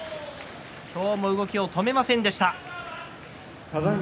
今日も動きを止めませんでした。